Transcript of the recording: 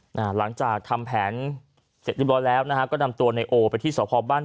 หลังจากทำแผนเสร็จเรียบร้อยแล้วนะฮะก็นำตัวในโอไปที่สพบ้าน